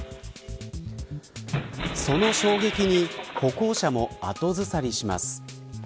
その衝撃に歩行者も後ずさりします。